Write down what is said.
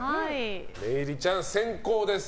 萌衣里ちゃん、先攻です。